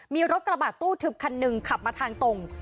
มีรถกระบาดตู้ทึบคันหนึ่งขับมาทางตรง